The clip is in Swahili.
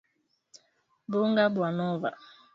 Bunga bwa nova bunaikalaka butamu